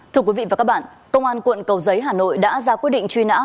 thưa quý vị và các bạn công an quận cầu giấy hà nội đã ra quyết định truy nã